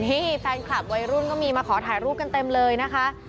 นี่แฟนคลับวัยรุ่นก็มีมาขอถ่ายรูปกันเต็มเลยนะคะ